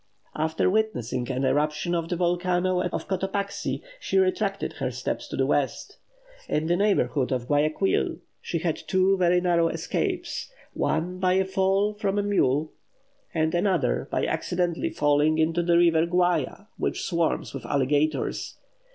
After witnessing an eruption of the volcano of Cotopaxi, she retraced her steps to the West. In the neighbourhood of Guayaquil she had two very narrow escapes one by a fall from her mule, and another by accidentally falling into the river Guaya, which swarms with alligators.